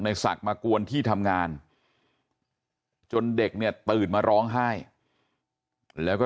ศักดิ์มากวนที่ทำงานจนเด็กเนี่ยตื่นมาร้องไห้แล้วก็